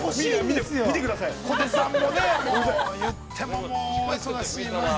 ◆小手さんもね、もう言ってももう、お忙しい。